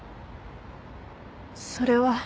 それは。